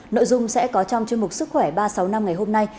nội dung sẽ có trong chương mục sức khỏe ba trăm sáu mươi năm ngày hôm nay